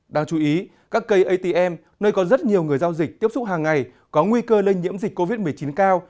đáng chú ý các cây atm nơi có rất nhiều người giao dịch tiếp xúc hàng ngày có nguy cơ lây nhiễm dịch covid một mươi chín cao